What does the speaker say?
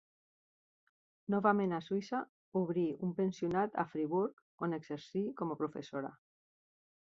Novament a Suïssa, obrí un pensionat a Friburg, on exercí com a professora.